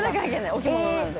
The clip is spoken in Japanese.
置物なんで。